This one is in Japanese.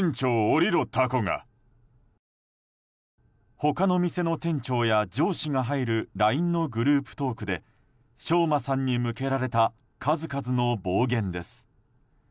他の店の店長や上司が入るＬＩＮＥのグループトークで翔馬さんに向けられた数々の暴言です。